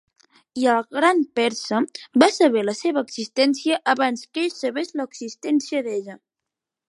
I el gran persa va saber de la seva existència abans que ell sabés de l'existència d'ella.